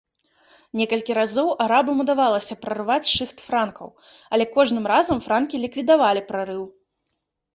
Некалькі разоў арабам удавалася прарваць шыхт франкаў, але кожным разам франкі ліквідавалі прарыў.